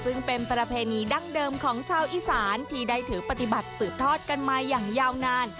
ซึ่งเป็นประเพณีดั้งเดิมของชาวอีสานที่ได้ถือปฏิบัติสืบทอดกันมาอย่างยาวนาน